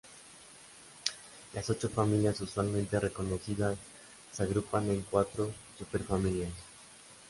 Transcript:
Las ocho familias usualmente reconocidas se agrupan en cuatro superfamilias.